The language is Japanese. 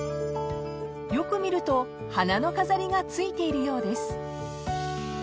［よく見ると花の飾りが付いているようです］